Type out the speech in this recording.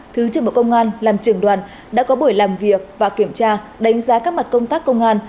thứ trưởng bộ công an làm trưởng đoàn đã có buổi làm việc và kiểm tra đánh giá các mặt công tác công an